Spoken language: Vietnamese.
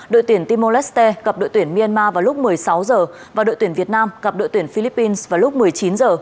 đội tuyển timor leste gặp đội tuyển myanmar vào lúc một mươi sáu h và đội tuyển việt nam gặp đội tuyển philippines vào lúc một mươi chín h